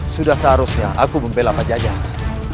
sudah seharusnya aku membela pak jajaran